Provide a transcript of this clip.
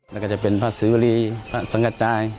นั่นก็จะเป็นพระศรีวะลีพระสังกัจจาย